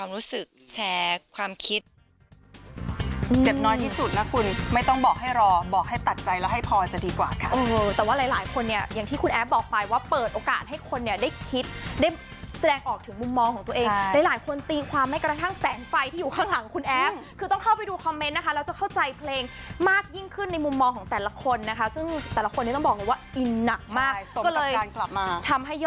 เราเปิดให้คนดูได้แชร์ความรู้สึกแชร์ความคิด